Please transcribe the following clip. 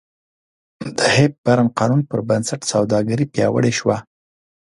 د هیپبرن قانون پربنسټ سوداګري پیاوړې شوه.